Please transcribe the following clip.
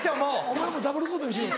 「お前もダブルコートにしよう」。